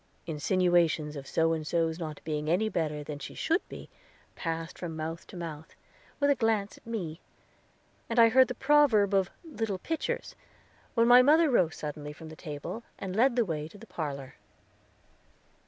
Insinuations of So and So's not being any better than she should be passed from mouth to mouth, with a glance at me; and I heard the proverb of "Little pitchers," when mother rose suddenly from the table, and led the way to the parlor.